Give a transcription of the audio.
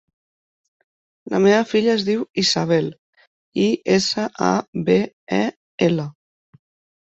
La meva filla es diu Isabel: i, essa, a, be, e, ela.